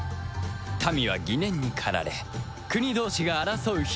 民は疑念に駆られ国同士が争う悲劇を招く